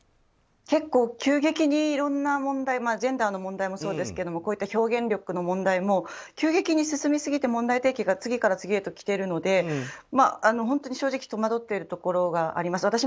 結構急激にいろんな問題ジェンダーの問題もこういう表現の問題も急激に進みすぎて問題提起が次から次へときているので本当に正直戸惑っているところがあります。